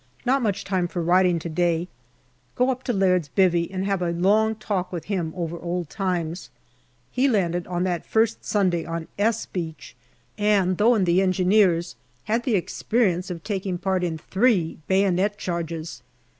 Not much time for writing to day. Go up to Laird's " bivvy " and have a long talk with him over old times. He landed on that first Sunday on " S " Beach, and though in the Engineers, had the experience of taking part in three bayonet charges.